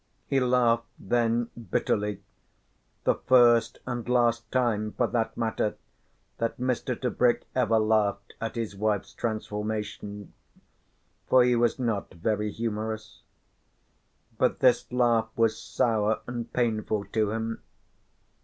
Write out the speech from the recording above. He laughed then bitterly, the first and last time for that matter that Mr. Tebrick ever laughed at his wife's transformation, for he was not very humorous. But this laugh was sour and painful to him.